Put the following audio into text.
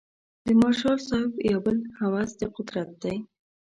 د مارشال صاحب یو بل هوس د قدرت دی.